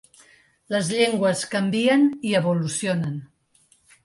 Les llengües canvien i evolucionen.